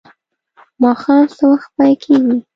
ماښام څه وخت پای کیږي؟